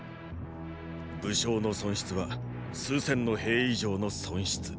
武将の損失は数千の兵以上の損失。